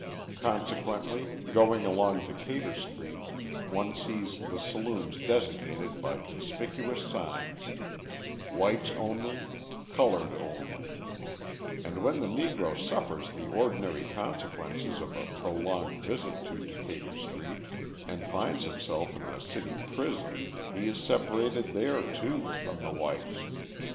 Consequently, going along Decatur Street, one sees the saloons designated by conspicuous signs: "WHITES ONLY" "COLOURED ONLY" And when the Negro suffers the ordinary consequences of a prolonged visit to Decatur Street, and finds himself in the city prison, he is separated there, too, from the whites.